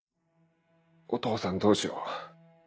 「お父さんどうしよ。